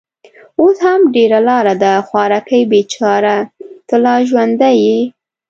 اوس هم ډېره لار ده. خوارکۍ، بېچاره، ته لا ژوندۍ يې؟